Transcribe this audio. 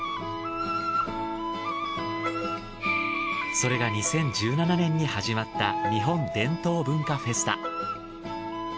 それが２０１７年に始まった日本伝統文化フェスタ。